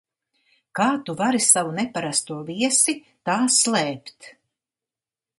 Kā tu vari savu neparasto viesi tā slēpt?